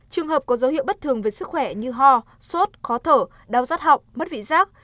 trường hợp có dấu hiệu bất thường về sức khỏe như ho sốt khó thở đau rắt họng mất vị giác